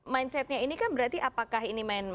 mindset nya ini kan berarti apakah ini memang mindsetnya